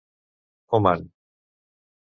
Oman.